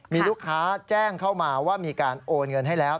มีลูกค้าแจ้งเข้ามาว่ามีการโอนเงินให้แล้ว